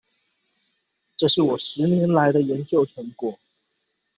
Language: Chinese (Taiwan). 這是我十年來的研究成果